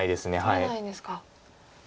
取れないんですか。